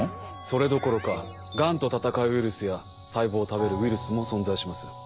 それどころかがんと闘うウイルスや細胞を食べるウイルスも存在します。